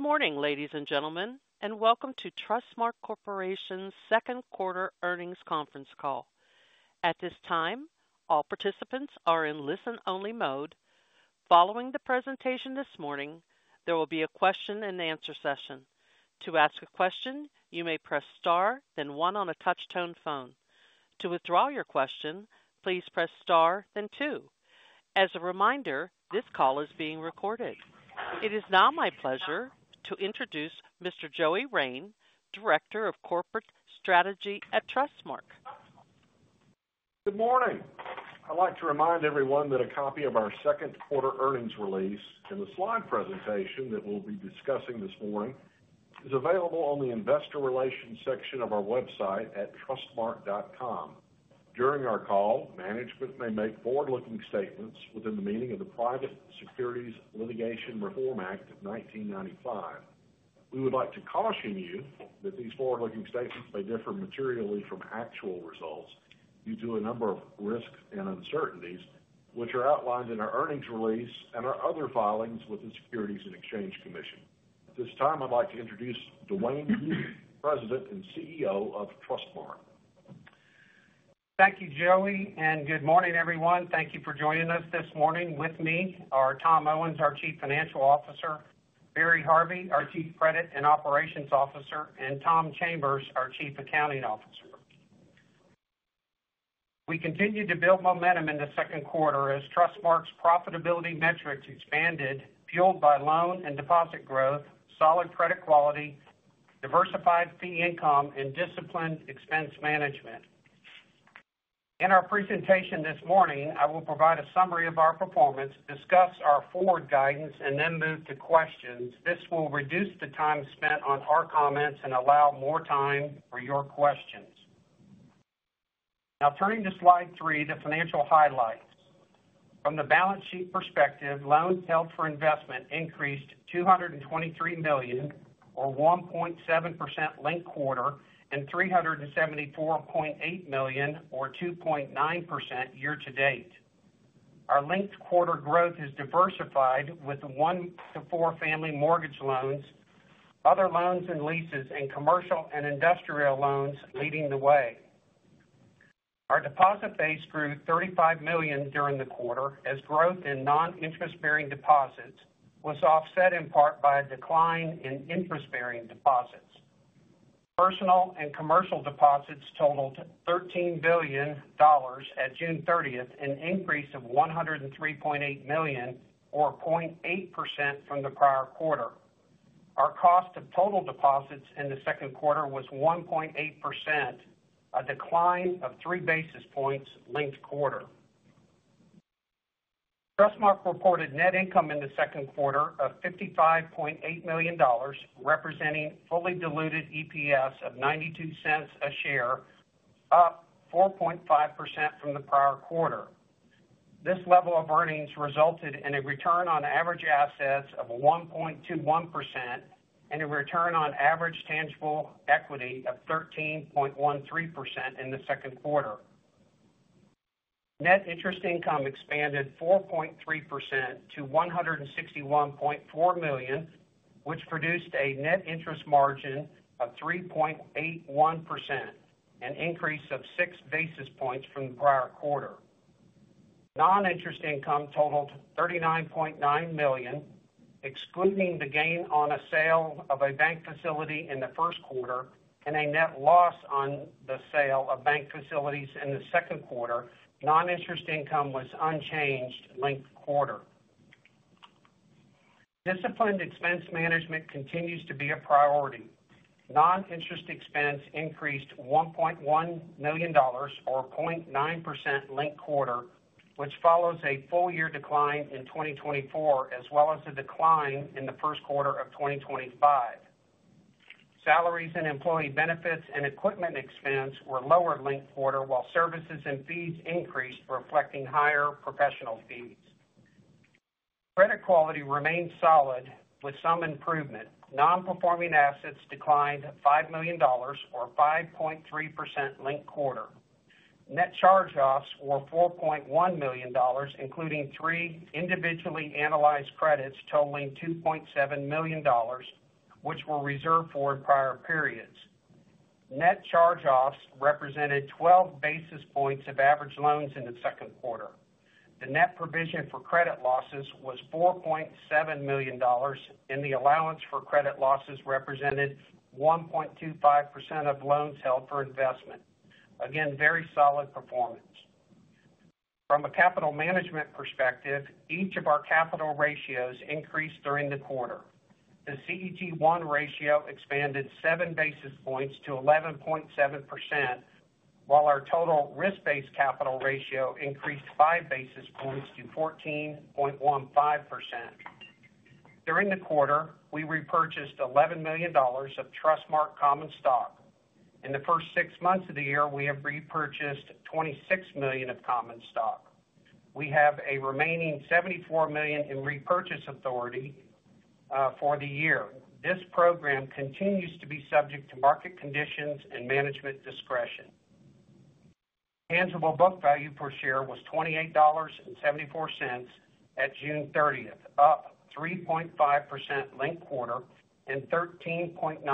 Good morning, ladies and gentlemen, and welcome to Trustmark Corporation's Second Quarter Earnings Conference Call. At this time, all participants are in listen only mode. Following the presentation this morning, there will be a question and answer session. As a reminder, this call is being recorded. It is now my pleasure to introduce Mr. Joey Rain, Director of Corporate Strategy at Trustmark. Good morning. I'd like to remind everyone that a copy of our second quarter earnings release and the slide presentation that we'll be discussing this morning is available on the Investor Relations section of our website at trustmark dot com. During our call, management may make forward looking statements within the meaning of the Private Securities Litigation Reform Act of 1995. We would like to caution you that these forward looking statements may differ materially from actual results due to a number of risks and uncertainties, which are outlined in our earnings release and our other filings with the Securities and Exchange Commission. At this time, I'd like to introduce Duane Hughes, President and CEO of Trustmark. Thank you, Joey, and good morning, everyone. Thank you for joining us this morning. With me are Tom Owens, our Chief Financial Officer Barry Harvey, our Chief Credit and Operations Officer and Tom Chambers, our Chief Accounting Officer. We continue to build momentum in the second quarter as Trustmark's profitability metrics expanded fueled by loan and deposit growth, solid credit quality, diversified fee income and disciplined expense management. In our presentation this morning, I will provide a summary of our performance, discuss our forward guidance and then move to questions. This will reduce the time spent on our comments and allow more time for your questions. Now turning to slide three, the financial highlights. From the balance sheet perspective, loans held for investment increased $223,000,000 or 1.7% linked quarter and $374,800,000 or 2.9% year to date. Our linked quarter growth is diversified with one to four family mortgage loans, other loans and leases and commercial and industrial loans leading the way. Our deposit base grew $35,000,000 during the quarter as growth in non interest bearing deposits was offset in part by a decline in interest bearing deposits. Personal and commercial deposits totaled $13,000,000,000 at June 30, an increase of $103,800,000 or 0.8% from the prior quarter. Our cost of total deposits in the second quarter was 1.8%, a decline of three basis points linked quarter. Trustmark reported net income in the second quarter of $55,800,000 representing fully diluted EPS of $0.92 a share, up 4.5% from the prior quarter. This level of earnings resulted in a return on average assets of 1.21% and a return on average tangible equity of 13.13% in the second quarter. Net interest income expanded 4.3% to $161,400,000 which produced a net interest margin of 3.81%, an increase of six basis points from the prior quarter. Non interest income totaled $39,900,000 excluding the gain on a sale of a bank facility in the first quarter and a net loss on the sale of bank facilities in the second quarter non interest income was unchanged linked quarter. Disciplined expense management continues to be a priority. Non interest expense increased $1,100,000 or 0.9% linked quarter, which follows a full year decline in 2024 as well as a decline in the first quarter of twenty twenty five. Salaries and employee benefits and equipment expense were lower linked quarter while services and fees increased reflecting higher professional fees. Credit quality remained solid with some improvement. Non performing assets declined $5,000,000 or 5.3% linked quarter. Net charge offs were $4,100,000 including three individually analyzed credits totaling 2,700,000 which were reserved for prior periods. Net charge offs represented 12 basis points of average loans in the second quarter. The net provision for credit losses was $4,700,000 and the allowance for credit losses represented 1.25% of loans held for investment. Again very solid performance. From a capital management perspective each of our capital ratios increased during the quarter. The CET1 ratio expanded seven basis points to 11.7% while our total risk based capital ratio increased five basis points to 14.15%. During the quarter, we repurchased $11,000,000 of Trustmark common stock. In the first six months of the year, we have repurchased $26,000,000 of common stock. We have a remaining $74,000,000 in repurchase authority for the year. This program continues to be subject to market conditions and management discretion. Tangible book value per share was $28.74 at June 30, up 3.5% linked quarter and 13.9%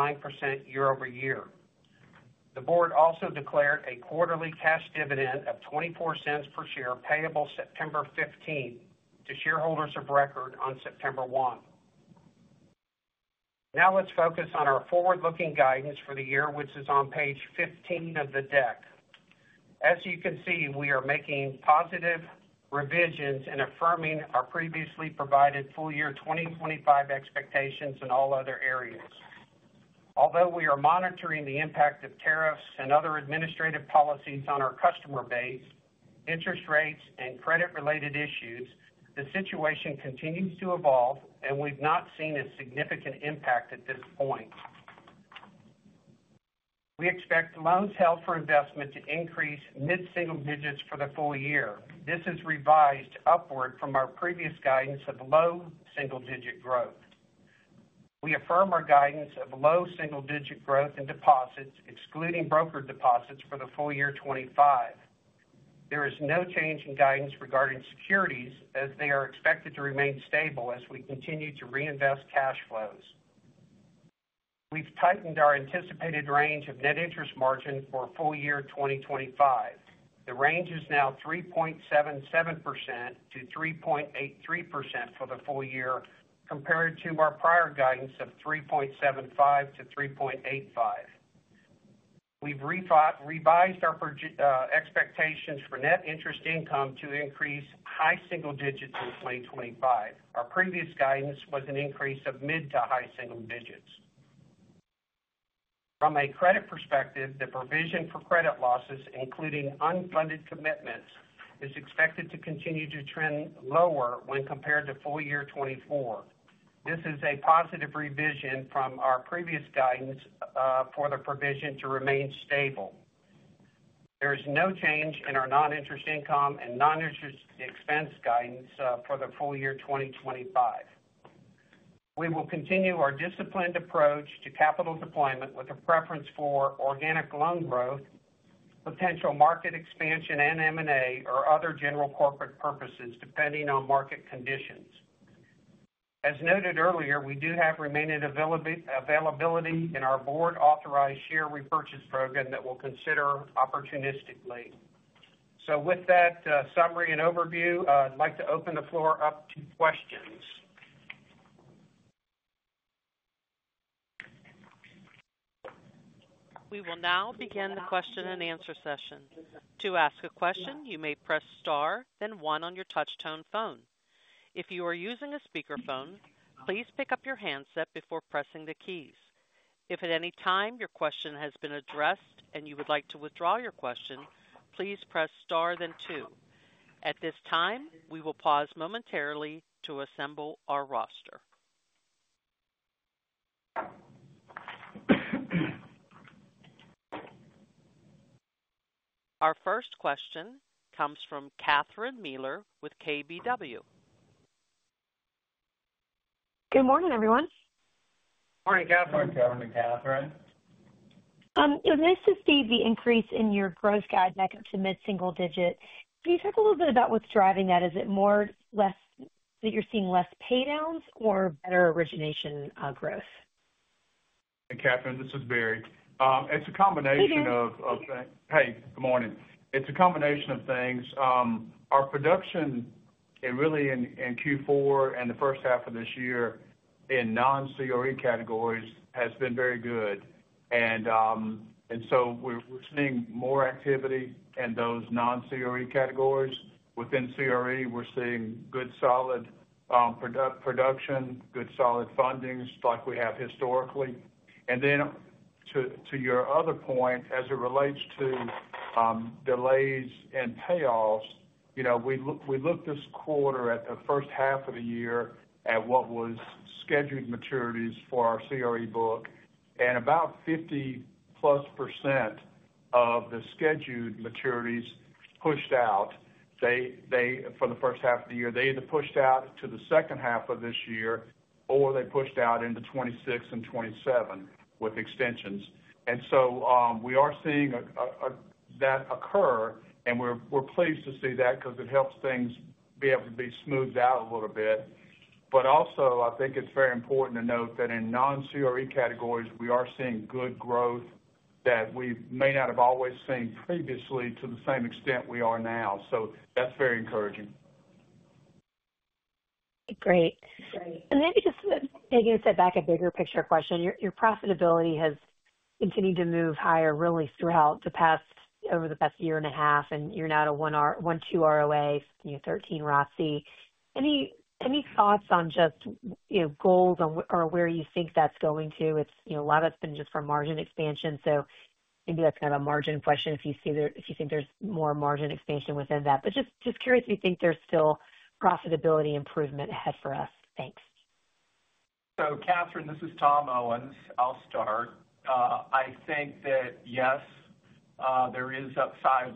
year over year. The Board also declared a quarterly cash dividend of $0.24 per share payable September 15 to shareholders of record on September 1. Now let's focus on our forward looking guidance for the year which is on page 15 of the deck. As you can see we are making positive revisions and affirming our previously provided full year 2025 expectations in all other areas. Although we are monitoring the impact of tariffs and other administrative policies on our customer base, interest rates and credit related issues, the situation continues to evolve and we've not seen a significant impact at this point. We expect loans held for investment to increase mid single digits for the full year. This is revised upward from our previous guidance of low single digit growth. We affirm our guidance of low single digit growth in deposits excluding brokered deposits for the full year 2025. There is no change in guidance regarding securities as they are expected to remain stable as we continue to reinvest cash flows. We've tightened our anticipated range of net interest margin for full year 2025. The range is now 3.77% to 3.83% for the full year compared to our prior guidance of 3.75% to 3.85%. We've revised our expectations for net interest income to increase high single digits in 2025. Our previous guidance was an increase of mid to high single digits. From a credit perspective, the provision for credit losses, including unfunded commitments, is expected to continue to trend lower when compared to full year 2024. This is a positive revision from our previous guidance for the provision to remain stable. There is no change in our non interest income and non interest expense guidance for the full year 2025. We will continue our disciplined approach to capital deployment with a preference for organic loan growth, potential market expansion and M and A or other general corporate purposes depending on market conditions. As noted A earlier, we do have remaining availability in our board authorized share repurchase program that we'll consider opportunistically. So with that summary and overview, I'd like to open the floor up to questions. We will now begin the question and answer session. Our first question comes from Catherine Mealor with KBW. Good morning, everyone. Good morning, Good Catherine. Was nice to see the increase in your growth guide back up to mid single digit. Can you talk a little bit about what's driving that? Is it more less that you're seeing less pay downs or better origination growth? Catherine, this is Barry. A combination of good morning. It's a combination of things. Our production really in Q4 and the first half of this year in non CRE categories has been very good. And so we're seeing more activity in those non CRE categories. Within CRE, we're seeing good solid production, good solid fundings like we have historically. And then to your other point, as it relates to delays and payoffs, we look this quarter at the first half of the year at what was scheduled maturities for our CRE book and about 50 plus percent of the scheduled maturities pushed out. They for the first half of the year they either pushed out to the second half of this year or they pushed out into '26 and '27 with extensions. And so, we are seeing that occur and we're pleased to see that because it helps things be able to be smoothed out a little bit. But also I think it's very important to note that in non CRE categories we are seeing good growth that we may not have always seen previously to the same extent we are now. So that's very encouraging. Great. And maybe just maybe just to step back a bigger picture question. Your profitability has continued to move higher really throughout the past over the past year and a half and you're now at 1.2% ROA, 13% ROC. Any thoughts on just goals or where you think that's going to? A lot of it's been just from margin expansion. So maybe that's kind of a margin question if you see there if you think there's more margin expansion within that. But just curious if you think there's still profitability improvement ahead for us? Thanks. So Catherine, this is Tom Owens. I'll start. I think that yes, there is upside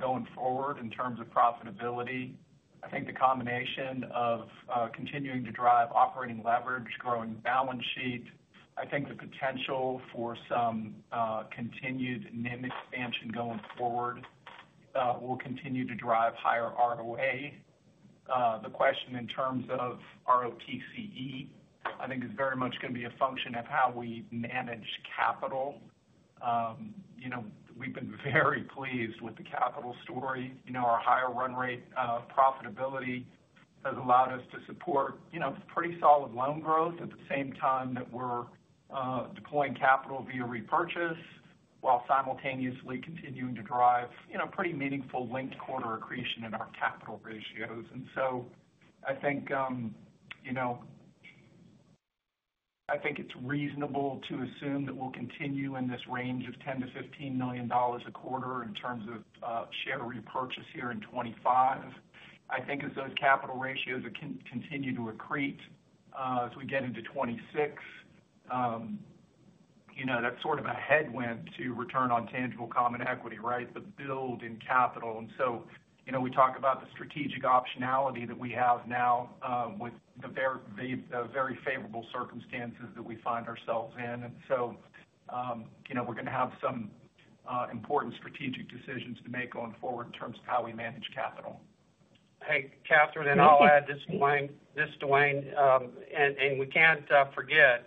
going forward in terms of profitability. I think the combination of continuing to drive operating leverage, growing balance sheet, I think the potential for some continued NIM expansion going forward We'll continue to drive higher ROA. The question in terms of ROTCE, I think is very much going to be a function of how we manage capital. We've been very pleased with the capital story. Our higher run rate profitability has allowed us to support pretty solid loan growth at the same time that we're deploying capital via repurchase, while simultaneously continuing to drive pretty meaningful linked quarter accretion in our capital ratios. And so I think it's reasonable to assume that we'll continue in this range of 10,000,000 to $15,000,000 a quarter in terms of share repurchase here in 2025. I think as those capital ratios continue to accrete as we get into 2026, that's sort of a headwind to return on tangible common equity, right, the build in capital. And so we talk about the strategic optionality that we have now with the very favorable circumstances that we find ourselves in. And so we're going to have some important strategic decisions to make going forward in terms of how we manage capital. Hey, Catherine, and I'll add. This is And we can't forget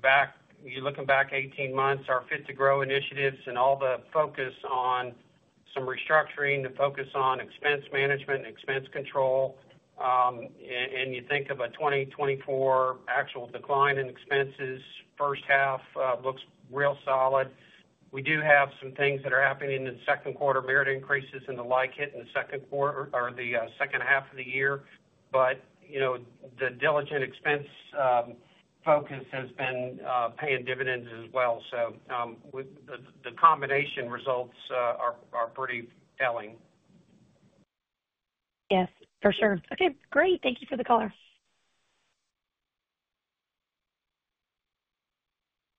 back you're looking back eighteen months our Fit to Grow initiatives and all the focus on some restructuring, the focus on expense management and expense control and you think of a 2024 actual decline in expenses first half looks real solid. We do have some things that are happening in the second quarter merit increases and the like hit in the second quarter or the second half of the year. But the diligent expense focus has been paying dividends as well. So, the combination results are pretty telling. Yes, for sure. Okay, great. Thank you for the color.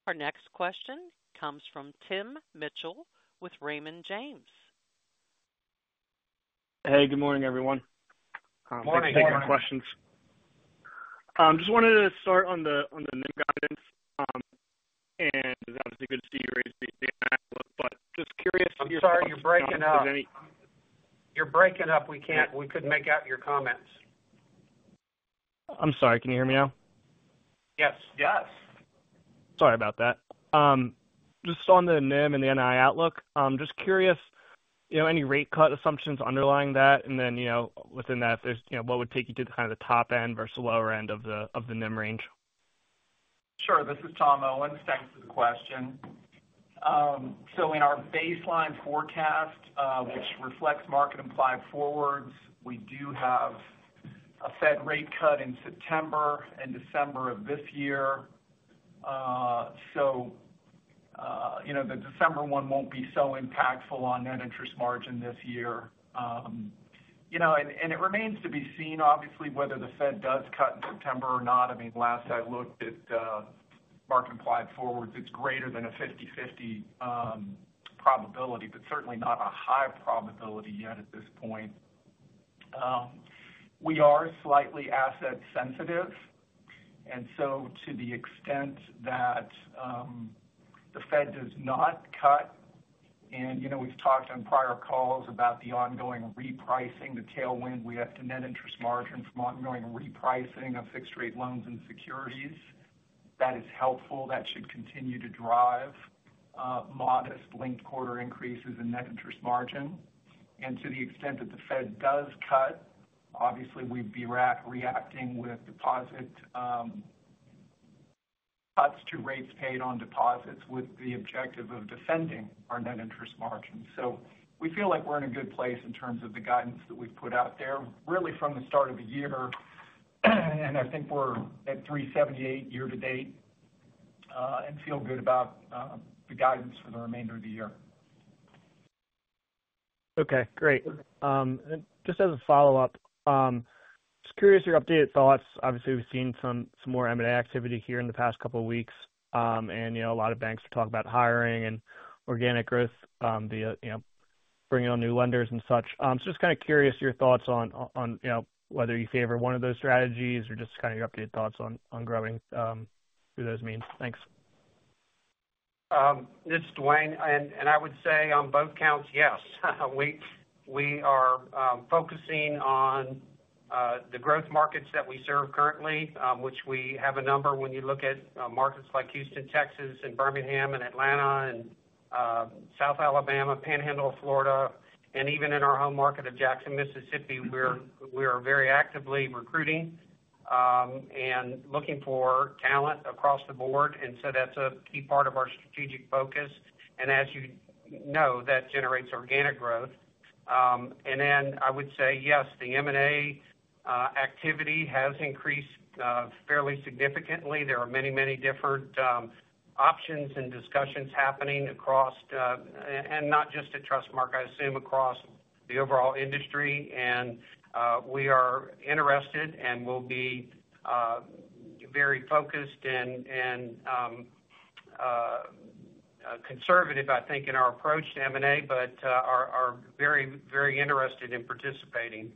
Our next question comes from Tim Mitchell with Raymond James. Hey, good morning everyone. Good Good morning, Just wanted to start on the NIM guidance and obviously good to see you raise the ATM outlook. But just curious I'm sorry, you're breaking up. You're breaking up. We can't we couldn't make out your comments. I'm sorry. Can you hear me now? Yes. Yes. Sorry about that. Just on the NIM and the NII outlook, just curious any rate cut assumptions underlying that? And then within that, what would take you to the kind of the top end versus lower of the NIM range? Sure. This is Tom Owens. Thanks for the question. So in our baseline forecast, which reflects market implied forwards, we do have a Fed rate cut in September and December of this year. So the December one won't be so impactful on net interest margin this year. And it remains to be obviously whether the Fed does cut in September or not. I mean last I looked at Mark implied forwards, it's greater than a fifty-fifty probability, but certainly not a high probability yet at this point. We are slightly asset sensitive. And so to the extent that the Fed does not cut and we've talked on prior calls about the ongoing repricing tailwind we have to net interest margin from ongoing repricing of fixed rate loans and securities. That is helpful. That should continue to drive modest linked quarter increases in net interest margin. And to the extent that the Fed does cut, obviously, we'd be reacting with deposit cuts to rates paid on deposits with the objective of defending our net interest margin. So we feel like we're in a good place in terms of the guidance that we've put out there really from the start of the year. And I think we're at 3.78% year to date and feel good about the guidance for the remainder of the year. Okay, great. And then just as a follow-up, just curious your updated thoughts. Obviously, we've seen some more M and A activity here in the past couple of weeks and a lot of banks have talked about hiring and organic growth, bringing on new lenders and such. So just kind of curious your thoughts on whether you favor one of those strategies or just kind of your updated thoughts on growing through those means? Thanks. This is Duane. And I would say on both counts, yes. We are focusing on the growth markets that we serve currently, which we have a number when you look at markets like Houston, Texas and Birmingham and Atlanta and South Alabama, Panhandle, Florida and even in our home market of Jackson, Mississippi, we are very actively recruiting, and looking for talent across the board. And so that's a key part of our strategic focus. And as you know that generates organic growth. And then I would say, yes, the M and A activity has increased fairly significantly. There are many, many different options and discussions happening across and not just at Trustmark, I assume across the overall industry. And we are interested and we'll be very focused and conservative I think in our approach to M and A, but are very, very interested in participating.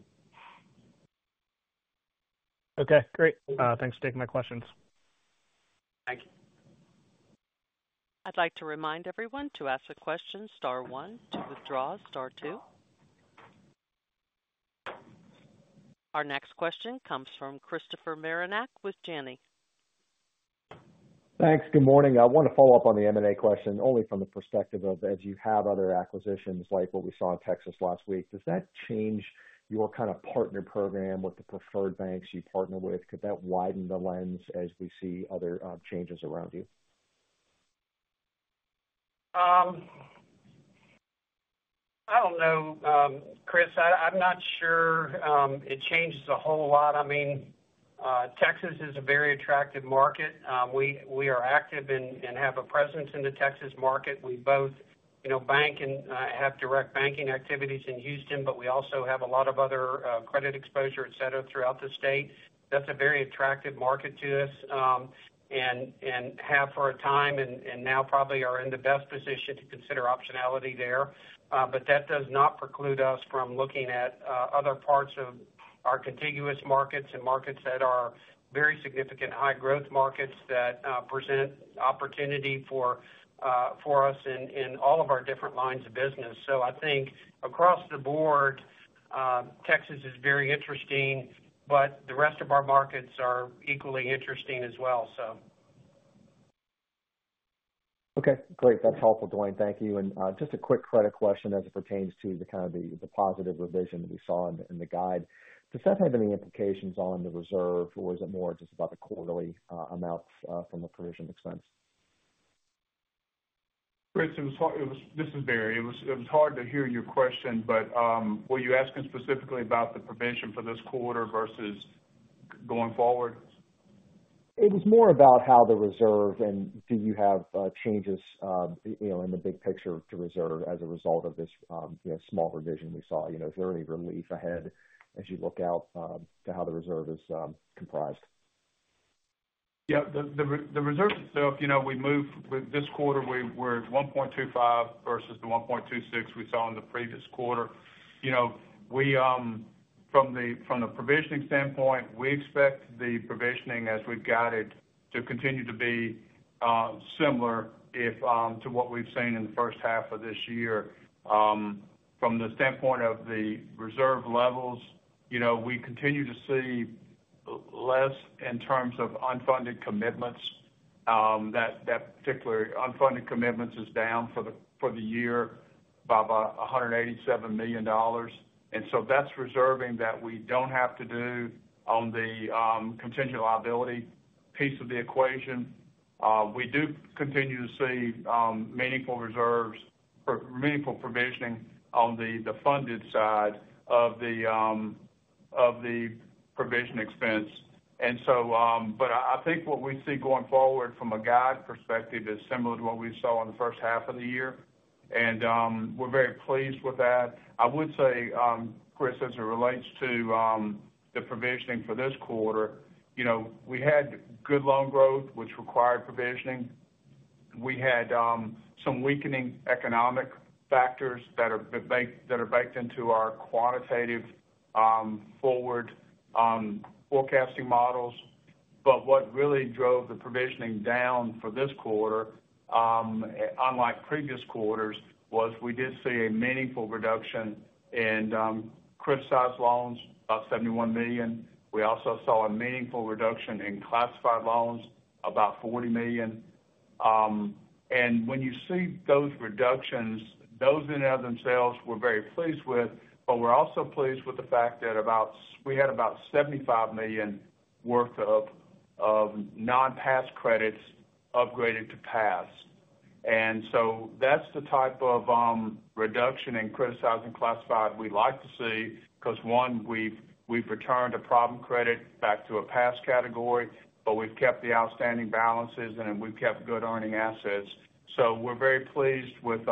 Okay, great. Thanks for taking my questions. Thank you. You. Our next question comes from Christopher Marinac with Janney. Thanks. Good morning. I want to follow-up on the M and A question only from the perspective of as you have other acquisitions like what we saw in Texas last week. Does that change your kind of partner program with the preferred banks you partner with? Could that widen the lens as we see other changes around you? I don't know, Chris. I'm not sure, it changes a whole lot. I mean, Texas is a very attractive market. We are active and have a presence in the Texas market. We both bank and have direct banking activities in Houston, but we also have a lot of other credit exposure etcetera throughout the state. That's a very attractive market to us and have for a time and now probably are in the best position to consider optionality there. But that does not preclude us from looking at other parts of our contiguous markets and markets that are very significant high growth markets that present opportunity for us in all of our different lines of business. So I think across the board, Texas is very interesting, but the rest of our markets are equally interesting as well. Okay. Great. That's helpful, Duane. Thank you. And just a quick credit question as it pertains to the kind of the positive revision that we saw in the guide. Does that have any implications on the reserve? Or is it more just about the quarterly amounts from the provision expense? Chris, it was this is Barry. It was hard to hear your question, but were you asking specifically about the provision for this quarter versus going forward? It was more about how the reserve and do you have changes in the big picture of the reserve as a result of this small revision we saw? Is there any relief ahead you look out to how the reserve is comprised? Yes. The reserve itself, we moved this quarter, we were at 1.25% versus the 1.26% we saw in the previous quarter. We from the provisioning standpoint, we expect the provisioning as we've guided to continue to be similar if to what we've seen in the first half of this year. From the standpoint of the reserve levels, we continue to see less in terms of unfunded commitments that particularly unfunded commitments is down for the year by about $187,000,000 And so that's reserving that we don't have to do on the contingent liability piece of the equation. We do continue to see meaningful reserves meaningful provisioning on the funded side of provision expense. And so, but I think what we see going forward from a guide perspective is similar to what we saw in the first half of the year. And we're very pleased with that. I would say, Chris, as it relates to the provisioning for this quarter, we had good loan growth, which required provisioning. We had some weakening economic factors that are baked into our quantitative forward forecasting models. But what really drove the provisioning down for this quarter unlike previous quarters was we did see a meaningful reduction in criticized loans about $71,000,000 We also saw a meaningful reduction in classified loans about $40,000,000 And when you see those reductions those in and of themselves we're very pleased with, but we're also pleased with the fact that about we had about $75,000,000 worth of non pass credits upgraded to pass. And so that's the type of reduction in criticized and classified we'd like to see because one we've returned a problem credit back to a pass category, but we've kept the outstanding balances and we've kept good earning assets. So we're very pleased with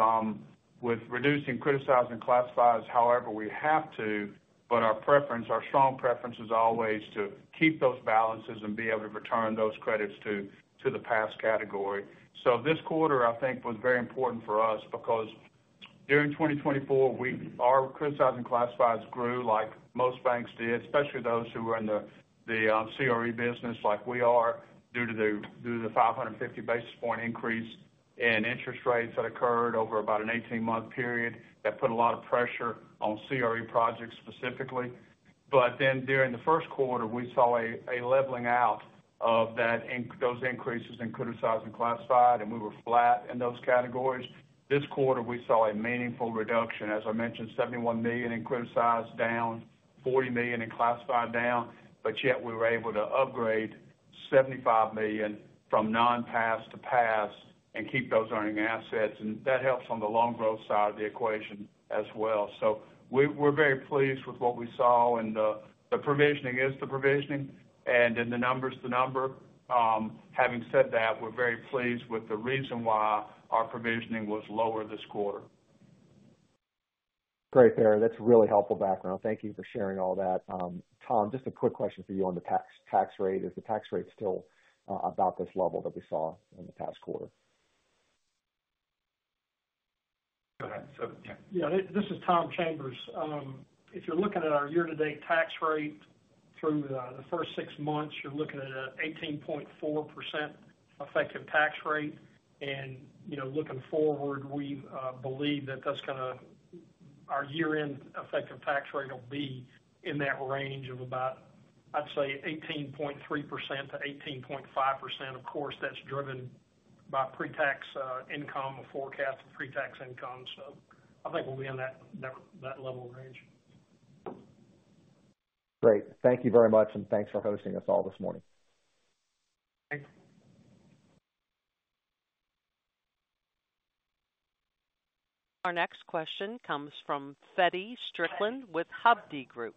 reducing criticized and classifieds however we have to, but our preference, our strong preference is always to keep those balances and be able to return those credits to the pass category. So this quarter I think was very important for us because during 2024, we are criticized and classifieds grew like most banks did, especially those who were in the CRE business like we are due to the five fifty basis point increase in interest rates that occurred over about an eighteen month period that put a lot of pressure on CRE projects specifically. But then during the first quarter, we saw a leveling out of that those increases in criticized and classified and we were flat in those categories. This quarter, we saw a meaningful reduction as I mentioned $71,000,000 in criticized down, dollars 40,000,000 in classified down, but yet we were able to upgrade $75,000,000 from non pass to pass and keep those earning assets and that helps on the loan growth side of the equation as well. So we're very pleased with what we saw and the provisioning is the provisioning and in the numbers the number. Having said that, we're very pleased with the reason why our provisioning was lower this quarter. Great, Barry. That's really helpful background. Thank you for sharing all that. Just a quick question for you on the tax rate. Is the tax rate still about this level that we saw in the past quarter? Go ahead. This is Tom Chambers. If you're looking at our year to date tax rate through the first six months, you're looking at 18.4% effective tax rate. And looking forward, we believe that that's going to our year end effective tax rate will be in that range of about, I'd say 18.3% to 18.5%. Of course, that's driven by pretax income or forecast pretax income. So I think we'll be in that level range. Great. Thank you very much and thanks for hosting us all this morning. Thanks. Our next question comes from Fetty Strickland with Hovde Group.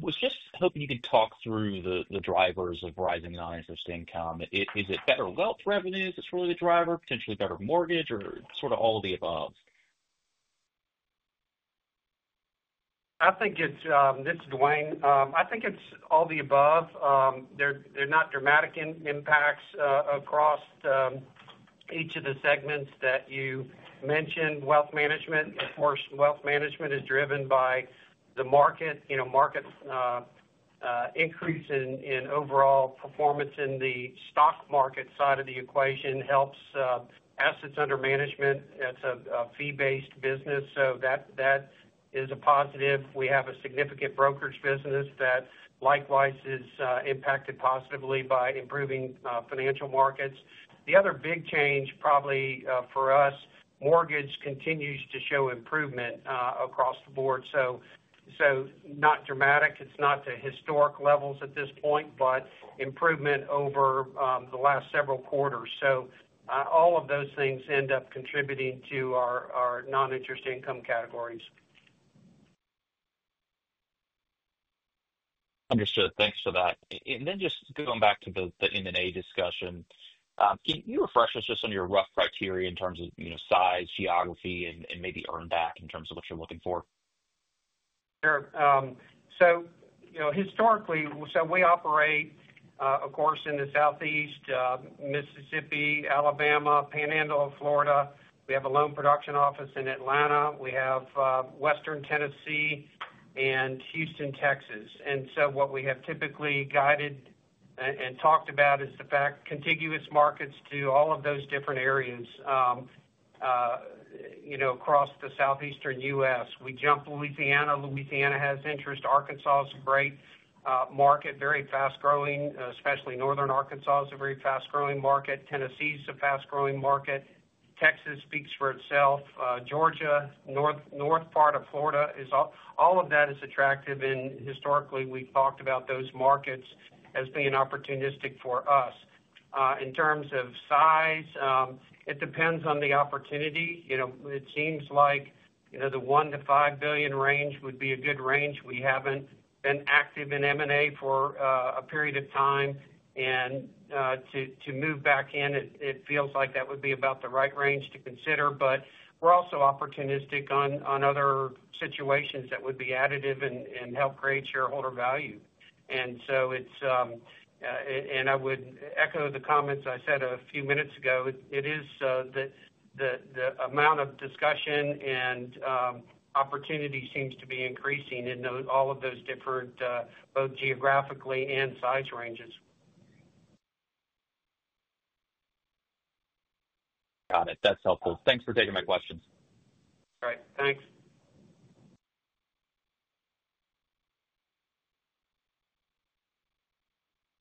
I was just hoping you could talk through the drivers of rising non interest income. Is it better wealth revenues that's really the driver, potentially better mortgage or sort of all of the above? I think it's this is Duane. I think it's all of the above. They're not dramatic impacts across each of the segments that you mentioned wealth management. Of course wealth management is driven by the market, increase in overall performance in the stock market side of the equation helps assets under management. It's a fee based business. So that is a positive. We have a significant brokerage business that likewise is impacted positively by improving financial markets. The other big change probably for us mortgage continues to show improvement across the board. So not dramatic, it's not the historic levels at this point, but improvement over the last several quarters. So all of those things end up contributing to our noninterest income categories. Understood. Thanks for that. And then just going back to the M and A discussion, can you refresh us just on your rough criteria in terms of size, geography and maybe earn back in terms of what you're looking for? Sure. So historically, so we operate of course in the Southeast, Mississippi, Alabama, Panhandle, Florida. We have a loan production office in Atlanta. We have Western Tennessee and Houston, Texas. And so what we have typically guided and talked about is the fact contiguous markets to all of those different areas across the Southeastern U. S. We jumped Louisiana. Louisiana has interest. Arkansas is a great market, very fast growing, especially Northern Arkansas is a very fast growing market. Tennessee is a fast growing market. Texas speaks for itself. Georgia, part of Florida is all of that is attractive and historically we've talked about those markets as being opportunistic for us. In terms of size, it depends on the opportunity. It seems like the 1,000,000,000 to $5,000,000,000 range would be a good range. We haven't been active in M and A for a period of time. And to move back in, feels like that would be about the right range to consider. But we're also opportunistic on other situations that would be additive and help create shareholder value. And so it's and I would echo the comments I said a few minutes ago. It is amount of discussion and opportunity seems to be increasing in all of those different both geographically and size ranges. Got it. That's helpful. Thanks for taking my questions. All right. Thanks.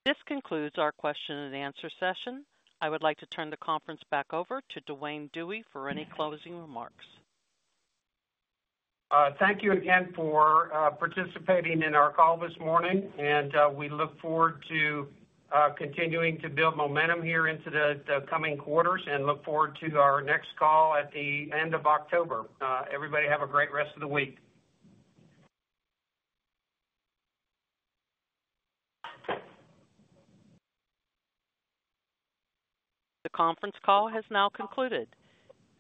This concludes our question and answer session. I would like to turn the conference back over to Duane Dewey for any closing remarks. Thank you again for participating in our call this morning and we look forward to continuing to build momentum here into the coming quarters and look forward to our next call at the October. Everybody have a great rest of the week. The conference call has now concluded.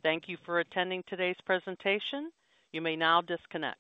Thank you for attending today's presentation. You may now disconnect.